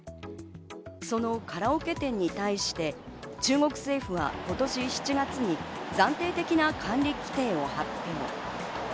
そのカラオケ店に対して中国政府は今年７月に暫定的な管理規定を発表。